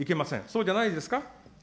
そうじゃないですか。